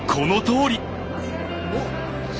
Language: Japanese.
おっ！